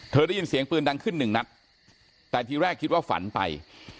ได้ยินเสียงปืนดังขึ้นหนึ่งนัดแต่ทีแรกคิดว่าฝันไป